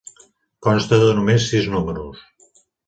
Consta de només sis números.